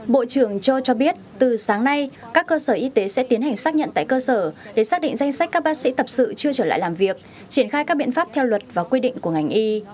bộ trưởng cho cho biết từ sáng nay các cơ sở y tế sẽ tiến hành xác nhận tại cơ sở để xác định danh sách các bác sĩ tập sự chưa trở lại làm việc triển khai các biện pháp theo luật và quy định của ngành y